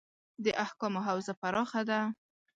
د احکامو حوزه پراخه ده.